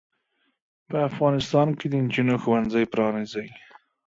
په افغانستان کې د انجونو ښوونځې پرانځئ.